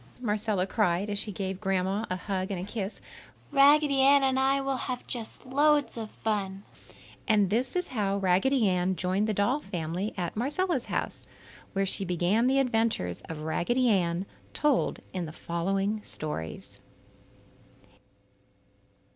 Marcella cried as she gave Grandma a hug and kiss. "Raggedy Ann and I will have just loads of fun." And this is how Raggedy Ann joined the doll family at Marcella's house, where she began the adventures of Raggedy Ann, told in the following stories.